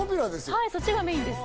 はいそっちがメインです